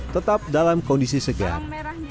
tetap dalam kondisi segar